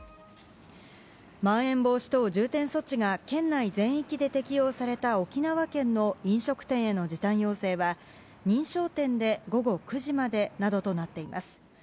まん延防止等重点措置が県内全域で適用された沖縄県の飲食店への時短要請は認証店で午後９時までなどとなっています。